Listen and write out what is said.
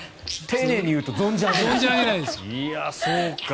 丁寧に言うと存じ上げない。